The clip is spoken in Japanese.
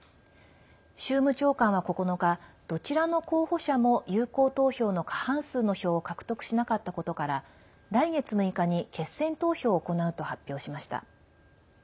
州務長官は９日どちらの候補者も有効投票の過半数の票を獲得しなかったことから来月６日に決選投票を行うと発表しました。